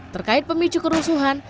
terkait pemicu kerusuhan